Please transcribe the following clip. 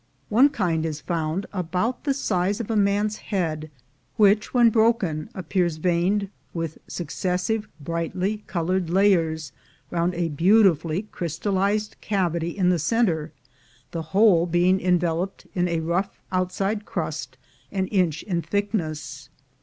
One kind is found, about the size of a man's head, which when broken appears veined with successive brightly colored layers round a beautifully crj^stallized cavity in the center, the whole being en veloped in a rough outside crust an inch in thickness.